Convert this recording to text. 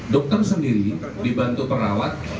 dokter sendiri dibantu perawat